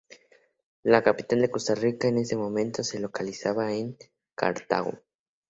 La capital de Costa Rica, en ese momento, se localizaba en Cartago.